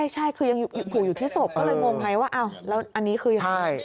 ใช่คือยังผูกอยู่ที่ศพก็เลยงงไหมว่าอันนี้คืออย่างนั้น